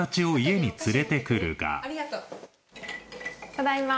ただいま。